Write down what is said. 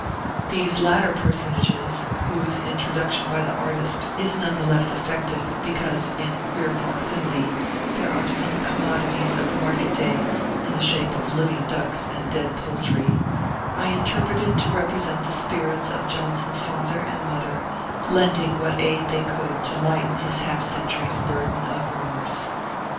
These latter personages (whose introduction by the artist is none the less effective, because, in queer proximity, there are some commodities of market day in the shape of living ducks and dead poultry) I interpreted to represent the spirits of Johnson's father and mother, lending what aid they could to lighten his half century's burden of remorse.